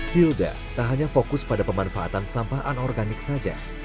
hilda tak hanya fokus pada pemanfaatan sampah anorganik saja